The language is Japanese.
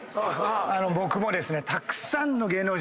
僕もですね。